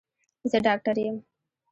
زه ډاکټر یم